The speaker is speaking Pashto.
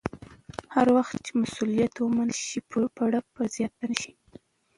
هر وخت چې مسوولیت ومنل شي، پړه به زیاته نه شي.